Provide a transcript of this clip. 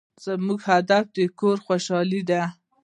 زما هدف د کورنۍ خوشحالي ده.